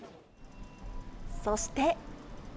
そして。